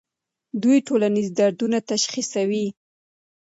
دوی ټولنیز دردونه تشخیصوي.